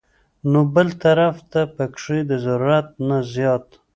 نو بل طرف ته پکښې د ضرورت نه زيات